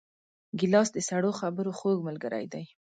ګیلاس د سړو خبرو خوږ ملګری دی.